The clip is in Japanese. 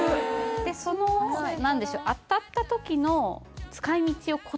でその何でしょう？